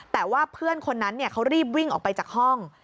แต่ว่าเพื่อนคนนั้นเขารีบวิ่งออกไปจากห้อง